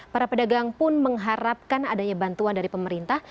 para pedagang pun mengharapkan adanya bantuan dari pemerintah